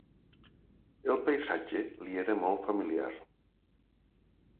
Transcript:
El paisatge li era molt familiar.